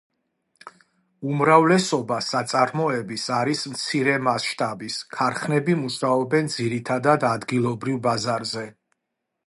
უმრავლესობა საწარმოების არის მცირე მასშტაბის, ქარხნები მუშაობენ ძირითადად ადგილობრივ ბაზარზე.